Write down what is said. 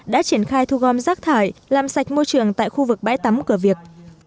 đã triển khai thu gom rác thải làm sạch môi trường tại khu vực bãi tắm cửa việt